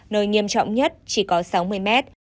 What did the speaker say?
nơi nghiêm trọng nhất chỉ có sáu mươi mét